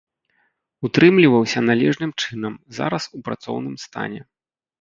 Утрымліваўся належным чынам, зараз у працоўным стане.